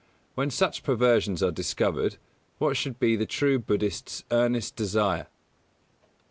_When such perversions are discovered, what should be the true Buddhist's earnest desire?